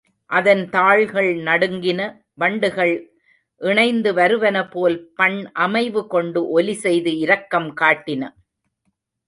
அதன் தாள்கள் நடுங்கின வண்டுகள் இனைந்து வருந்துவன போல் பண் அமைவு கொண்டு ஒலி செய்து இரக்கம் காட்டின.